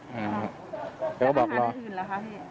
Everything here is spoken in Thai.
มีปัญหาอื่นหรือคะ